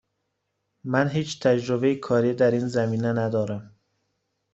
من هیچ تجربه کاری در این زمینه ندارم.